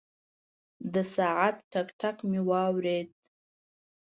د ساعت ټک، ټک مې واورېد.